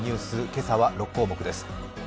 今朝は６項目です。